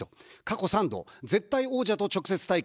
過去３度、絶対王者と直接対決。